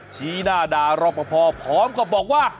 ชี้หน้าดารอบพอพร้อมก็บอกว่า